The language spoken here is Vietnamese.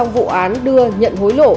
trong vụ án đưa nhận hối lộ